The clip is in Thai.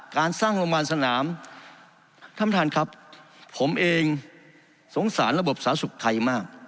การสร้างโรงพยาบาลสนามท่านประธานครับผมเองสงสารระบบสาธารณสุขไทยมาก